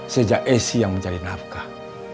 sejak esy yang menjadi nafkah